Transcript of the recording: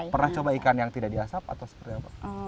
pernah coba ikan yang tidak diasap atau seperti apa